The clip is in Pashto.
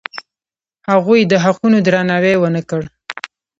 هغوی د حقونو درناوی ونه کړ.